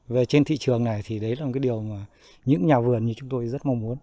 về trên thị trường này thì đấy là một cái điều mà những nhà vườn như chúng tôi rất mong muốn